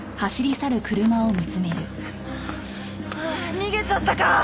逃げちゃったか。